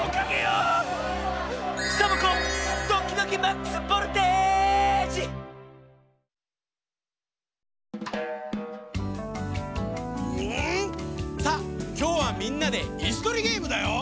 うん！さあきょうはみんなでいすとりゲームだよ。